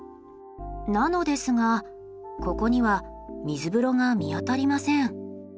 なのですがここには水風呂が見当たりません。